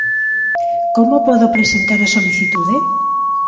Como podo presentar a solicitude?